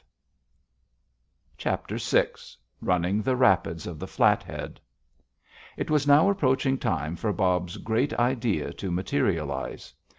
VI RUNNING THE RAPIDS OF THE FLATHEAD It was now approaching time for Bob's great idea to materialize.